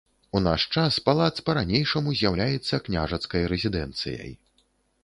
У наш час палац па ранейшаму з'яўляецца княжацкай рэзідэнцыяй.